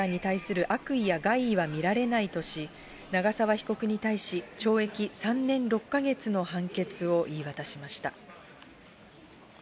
子らに対する悪意や害意は見られないとし、長沢被告に対し、懲役３年６か月の判決を言い渡しました。